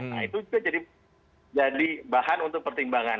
nah itu juga jadi bahan untuk pertimbangan